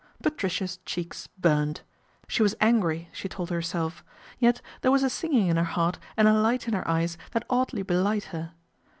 Patricia's cheeks burned. She was angry, she told herself, yet there was a singing in her heart and a light in her eyes that oddly belied her.